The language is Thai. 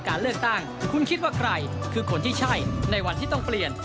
การเลือกตั้งคุณคิดว่าใครคือคนที่ใช่ในวันที่ต้องเปลี่ยน